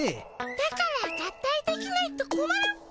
だから合体できないとこまるっピ。